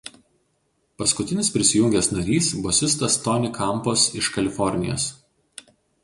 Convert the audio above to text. Paskutinis prisijungęs narys bosistas Tony Campos iš Kalifornijos.